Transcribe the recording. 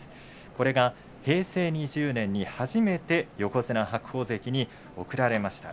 これが平成２０年に初めて横綱白鵬関に贈られました。